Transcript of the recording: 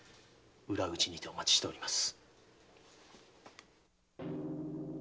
裏口にてお待ちしております。